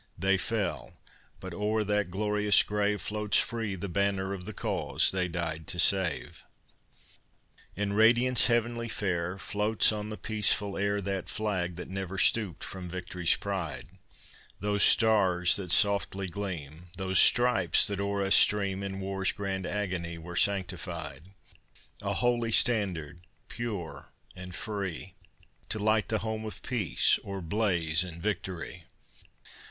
They fell; but o'er that glorious grave Floats free the banner of the cause they died to save. In radiance heavenly fair, Floats on the peaceful air That flag that never stooped from victory's pride; Those stars that softly gleam, Those stripes that o'er us stream, In war's grand agony were sanctified; A holy standard, pure and free, To light the home of peace, or blaze in victory.